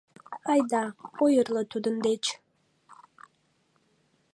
Айда, ойырло тудын деч.